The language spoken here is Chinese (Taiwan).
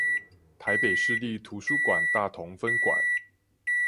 臺北市立圖書館大同分館